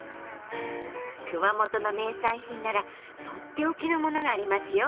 熊本の名産品なら取って置きのものがありますよ。